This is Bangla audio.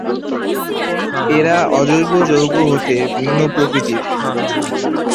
এরা অজৈব যৌগ হতে ভিন্ন প্রকৃতির।